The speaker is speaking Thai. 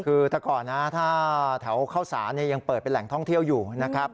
คือแต่ก่อนนะถ้าแถวเข้าสารยังเปิดเป็นแหล่งท่องเที่ยวอยู่นะครับ